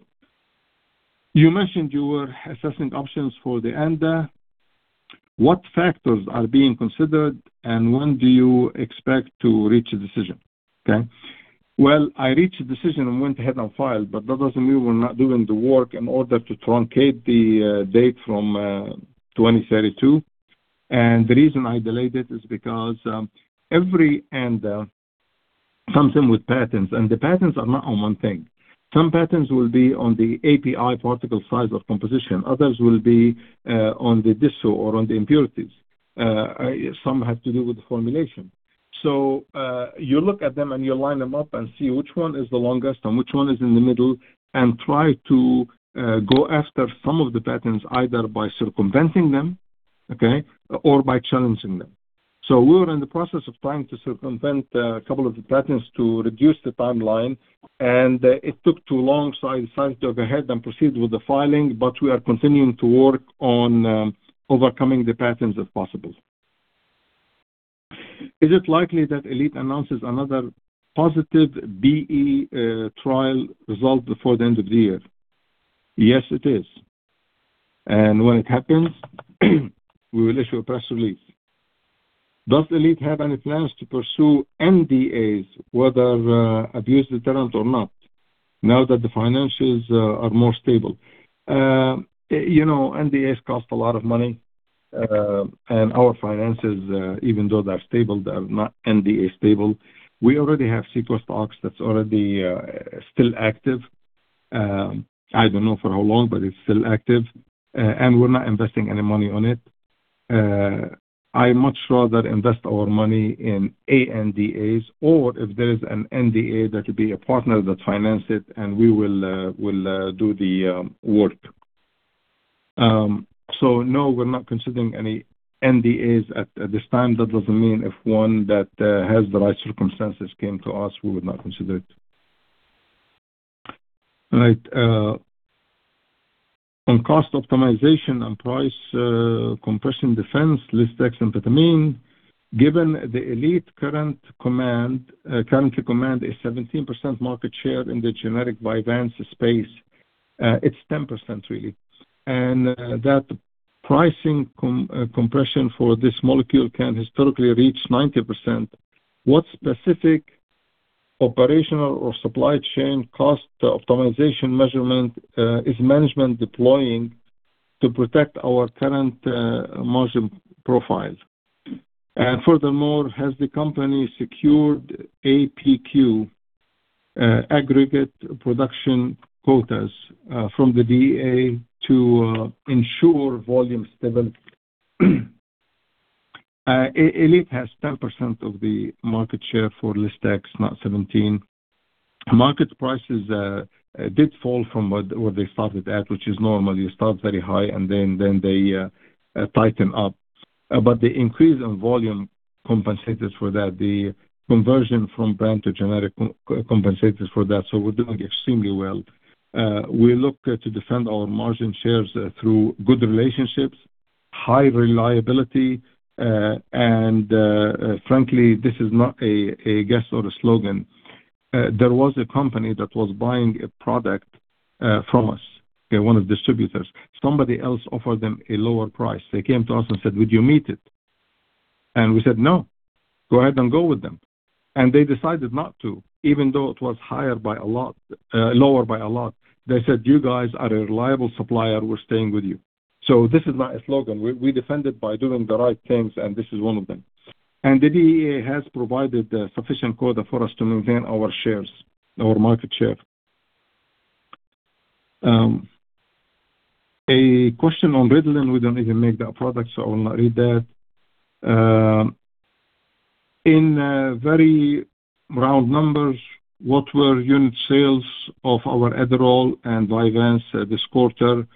You mentioned you were assessing options for the ANDA. What factors are being considered, and when do you expect to reach a decision? Okay. Well, I reached a decision and went ahead and filed, but that doesn't mean we're not doing the work in order to truncate the date from 2032. The reason I delayed it is because every ANDA comes in with patents. The patents are not on one thing. Some patents will be on the API particle size of composition. Others will be on the dissolution or on the impurities. Some have to do with the formulation. You look at them and you line them up and see which one is the longest and which one is in the middle and try to go after some of the patents either by circumventing them, okay, or by challenging them. We were in the process of trying to circumvent a couple of the patents to reduce the timeline, and it took too long. I decided to go ahead and proceed with the filing, but we are continuing to work on overcoming the patents if possible. Is it likely that Elite announces another positive BE trial result before the end of the year? Yes, it is. When it happens, we will issue a press release. Does Elite have any plans to pursue NDAs, whether abuse-deterrent or not, now that the financials are more stable? NDAs cost a lot of money. Our finances, even though they're stable, they are not NDA stable. We already have CEQUA stock that's already still active. I don't know for how long, but it's still active. We're not investing any money on it. I much rather invest our money in ANDAs, or if there is an NDA, there could be a partner that finances it, and we will do the work. No, we're not considering any NDAs at this time. That doesn't mean if one that has the right circumstances came to us, we would not consider it. All right. On cost optimization and price compression defense, lisdexamfetamine, given Elite currently commands a 17% market share in the generic VYVANSE space. It's 10% really. That pricing compression for this molecule can historically reach 90%. What specific operational or supply chain cost optimization measurement is management deploying to protect our current margin profile? Furthermore, has the company secured APQ, aggregate production quotas, from the DEA to ensure volume stability? Elite has 10% of the market share for Lisdex, not 17%. Market prices did fall from where they started at, which is normal. You start very high and then they tighten up. The increase in volume compensated for that. The conversion from brand to generic compensated for that. We're doing extremely well. We look to defend our margin shares through good relationships, high reliability. Frankly, this is not a guess or a slogan. There was a company that was buying a product from us, one of the distributors. Somebody else offered them a lower price. They came to us and said, "Would you meet it?" We said, "No. Go ahead and go with them." They decided not to, even though it was lower by a lot. They said, "You guys are a reliable supplier. We're staying with you." This is not a slogan. We defend it by doing the right things, and this is one of them. The DEA has provided sufficient quota for us to maintain our market share. A question on Ritalin. We don't even make that product, I will not read that. In very round numbers, what were unit sales of our Adderall and VYVANSE this quarter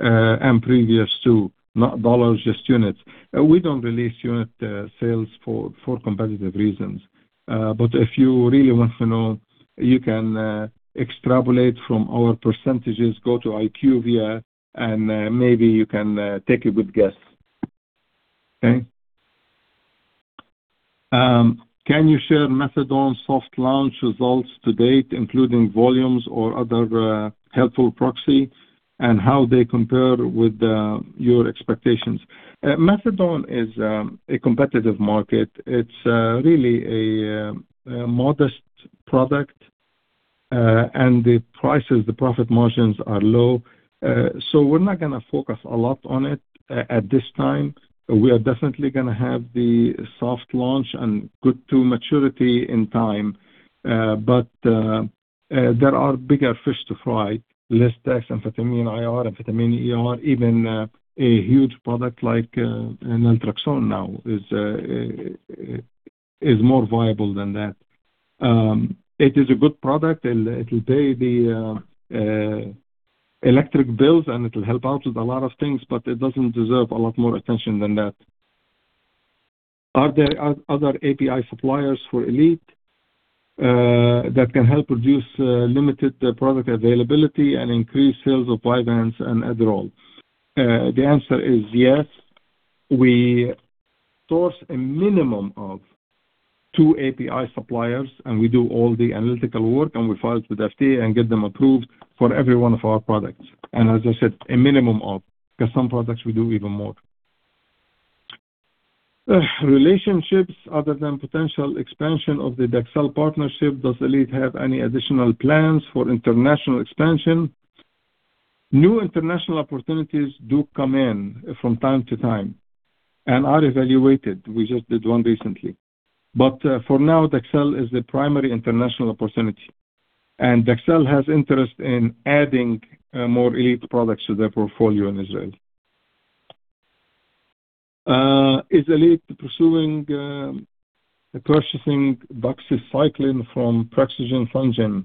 and previous two? Not dollars, just units. We don't release unit sales for competitive reasons. If you really want to know, you can extrapolate from our percentages. Go to IQVIA, maybe you can take a good guess. Okay. Can you share methadone soft launch results to date, including volumes or other helpful proxy, and how they compare with your expectations? methadone is a competitive market. It's really a modest product. The prices, the profit margins are low. We're not going to focus a lot on it at this time. We are definitely going to have the soft launch and go to maturity in time. There are bigger fish to fry. Lisdex, amphetamine IR, amphetamine ER, even a huge product like naltrexone now is more viable than that. It is a good product, it will pay the electric bills, it will help out with a lot of things, it doesn't deserve a lot more attention than that. Are there other API suppliers for Elite that can help reduce limited product availability and increase sales of VYVANSE and Adderall? The answer is yes. We source a minimum of two API suppliers, we do all the analytical work, we file it with FDA and get them approved for every one of our products. As I said, a minimum of, because some products, we do even more. Relationships other than potential expansion of the Dexcel partnership, does Elite have any additional plans for international expansion? New international opportunities do come in from time to time and are evaluated. We just did one recently. For now, Dexcel is the primary international opportunity. Dexcel has interest in adding more Elite products to their portfolio in Israel. Is Elite pursuing purchasing doxycycline from Prasco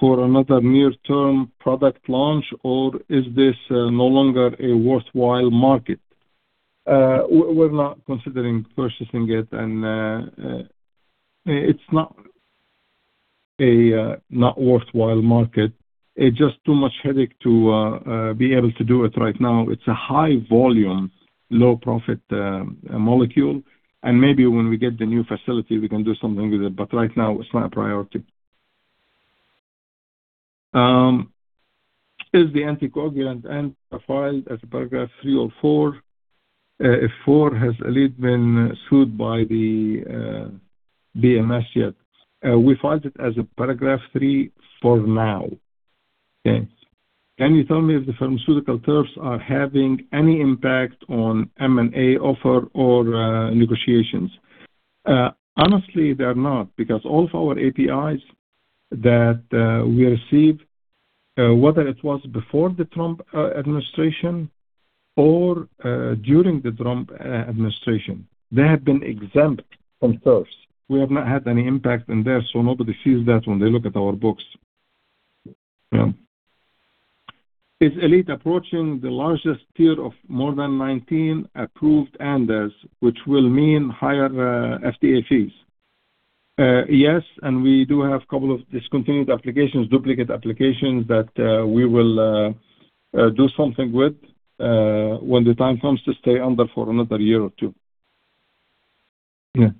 for another near-term product launch, or is this no longer a worthwhile market? We're not considering purchasing it's not a not worthwhile market. It's just too much headache to be able to do it right now. It's a high volume, low profit molecule. Maybe when we get the new facility, we can do something with it. Right now, it's not a priority. Is the anticoagulant ANDA filed as Paragraph III or IV? If IV, has Elite been sued by BMS yet? We filed it as a Paragraph III for now. Okay. Can you tell me if the pharmaceutical tariffs are having any impact on M&A offer or negotiations? Honestly, they are not because all of our APIs that we receive, whether it was before the Trump administration or during the Trump administration, they have been exempt from tariffs. We have not had any impact in there. Nobody feels that when they look at our books. Yeah. Is Elite approaching the largest tier of more than 19 approved ANDAs, which will mean higher FDA fees? Yes, we do have a couple of discontinued applications, duplicate applications that we will do something with when the time comes to stay under for another year or two. Yeah.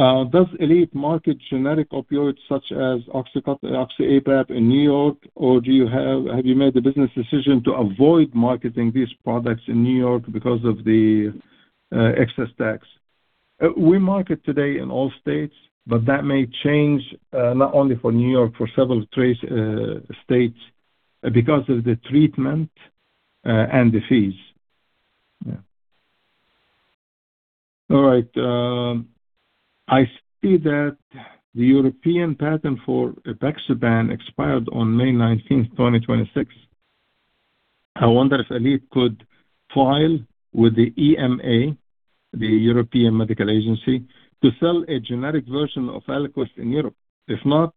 Does Elite market generic opioids such as oxycodone, Oxy/APAP in New York, or have you made the business decision to avoid marketing these products in New York because of the excess tax? We market today in all states, but that may change not only for New York, for several states because of the treatment and the fees. Yeah. All right. I see that the European patent for apixaban expired on May 19th, 2026. I wonder if Elite could file with the EMA, the European Medicines Agency, to sell a generic version of Eliquis in Europe. If not,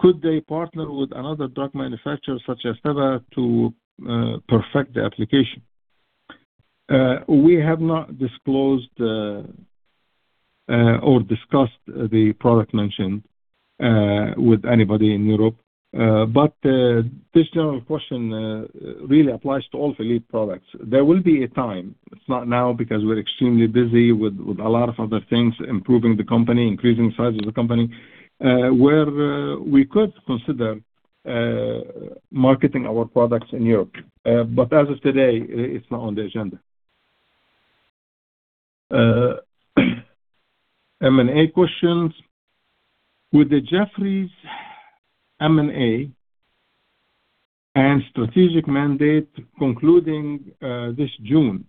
could they partner with another drug manufacturer such as Teva to perfect the application? We have not disclosed or discussed the product mentioned with anybody in Europe. This general question really applies to all Elite products. There will be a time, it's not now because we're extremely busy with a lot of other things, improving the company, increasing size of the company, where we could consider marketing our products in Europe. As of today, it's not on the agenda. M&A questions. With the Jefferies M&A and strategic mandate concluding this June,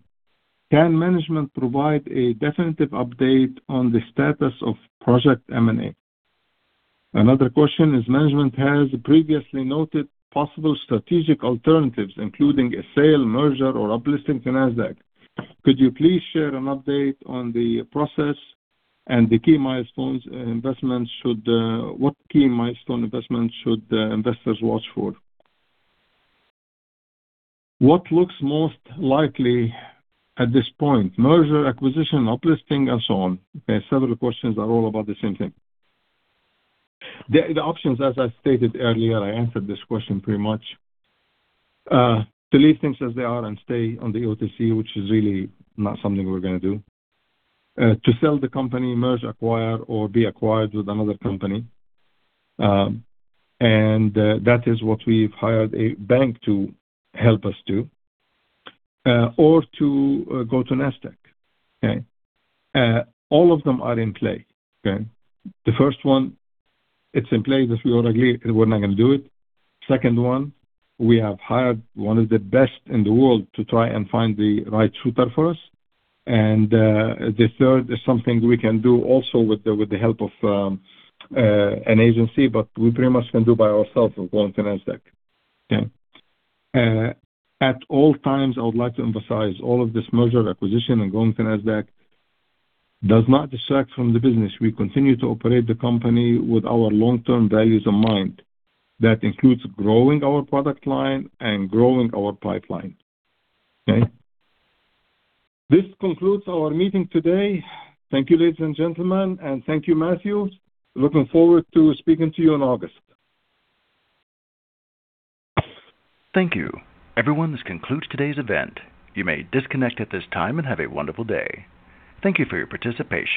can management provide a definitive update on the status of project M&A? Another question is, management has previously noted possible strategic alternatives, including a sale, merger, or uplisting to Nasdaq. Could you please share an update on the process and what key milestone investments should investors watch for? What looks most likely at this point? Merger, acquisition, uplisting, and so on. Okay, several questions are all about the same thing. The options, as I stated earlier, I answered this question pretty much. To leave things as they are and stay on the OTC, which is really not something we're going to do. To sell the company, merge, acquire, or be acquired with another company. That is what we've hired a bank to help us do. To go to Nasdaq. Okay? All of them are in play. Okay? The first one, it's in play, we already agreed we're not going to do it. Second one, we have hired one of the best in the world to try and find the right suitor for us. The third is something we can do also with the help of an agency, but we pretty much can do by ourselves of going to Nasdaq. Okay. At all times, I would like to emphasize all of this merger, acquisition, and going to Nasdaq does not distract from the business. We continue to operate the company with our long-term values in mind. That includes growing our product line and growing our pipeline. Okay? This concludes our meeting today. Thank you, ladies and gentlemen, and thank you, Matthew. Looking forward to speaking to you in August. Thank you. Everyone, this concludes today's event. You may disconnect at this time. Have a wonderful day. Thank you for your participation.